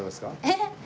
えっ？